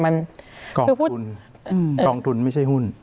กองทุนไม่ใช่หุ้น